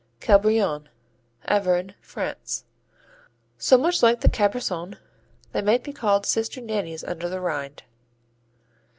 Cabrillon Auvergne, France So much like the Cabreçon they might be called sister nannies under the rind.